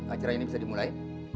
acara ini bisa dimulai